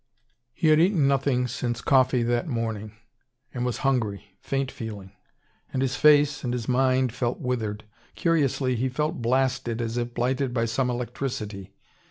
He had eaten nothing since coffee that morning, and was hungry, faint feeling. And his face, and his mind, felt withered. Curiously he felt blasted as if blighted by some electricity.